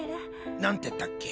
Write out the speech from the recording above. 何てったっけ？